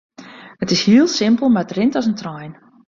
It is hiel simpel mar it rint as in trein.